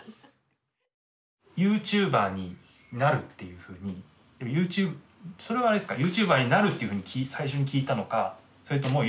ユーチューバーになるっていうふうにでもそれはあれですかユーチューバーになるっていうふうに最初に聞いたのかそれともＹｏｕＴｕｂｅを。